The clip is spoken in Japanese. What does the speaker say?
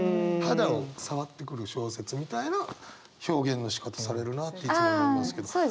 肌を触ってくる小説みたいな表現のしかたされるなっていつも思いますけど。